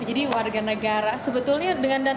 wah jadi warga negara sebetulnya dengan